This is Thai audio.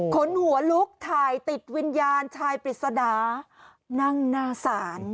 ขนหัวลุกถ่ายติดวิญญาณชายปริศนานั่งหน้าศาล